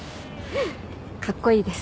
カッコイイです。